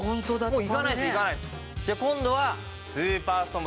もう。